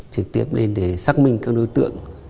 trực tiếp lên để xác minh các đối tượng